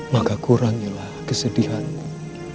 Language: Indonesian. maka kurangnyalah kesedihanmu